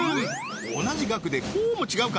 同じ「がく」でこうも違うか？